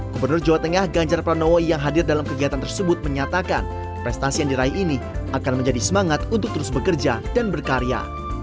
gubernur jawa tengah ganjar pranowo yang hadir dalam kegiatan tersebut menyatakan prestasi yang diraih ini akan menjadi semangat untuk terus bekerja dan berkarya